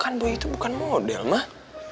kan boy itu bukan model mah